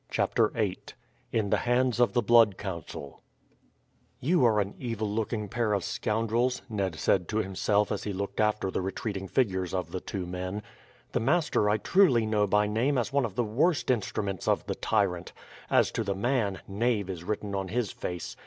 CHAPTER VIII IN THE HANDS OF THE BLOOD COUNCIL "You are an evil looking pair of scoundrels," Ned said to himself as he looked after the retreating figures of the two men. "The master I truly know by name as one of the worst instruments of the tyrant; as to the man, knave is written on his face.